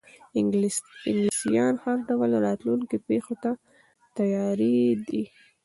انګلیسیان هر ډول راتلونکو پیښو ته تیار دي.